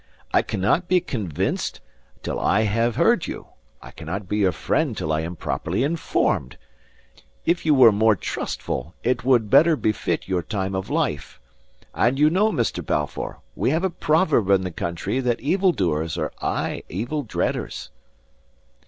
"I cannot be convinced till I have heard you. I cannot be your friend till I am properly informed. If you were more trustful, it would better befit your time of life. And you know, Mr. Balfour, we have a proverb in the country that evil doers are aye evil dreaders."